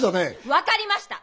分かりました！